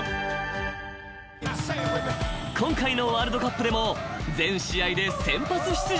［今回のワールドカップでも全試合で先発出場］